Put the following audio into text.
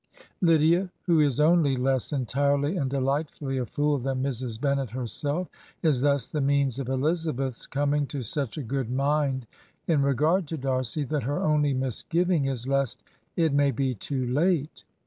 Lydia, who is only less entirely and delightfully a fool than Mrs. Bennet herself, is thus the means of Elizabeth's coming to such a good mind in regard to Darcy that her only misgiving is lest it may be too late.